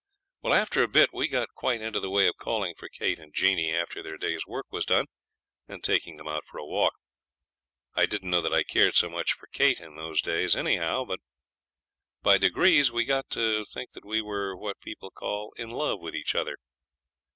After a bit we got quite into the way of calling for Kate and Jeanie after their day's work was done, and taking them out for a walk. I don't know that I cared so much for Kate in those days anyhow, but by degrees we got to think that we were what people call in love with each other.